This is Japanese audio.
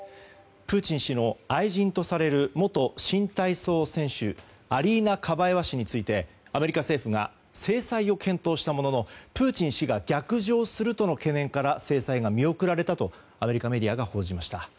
プーチン氏の愛人とされる元新体操選手アリーナ・カバエワ氏についてアメリカ政府が制裁を検討したもののプーチン氏が逆上するとの懸念から制裁が見送られたとアメリカメディアが報じました。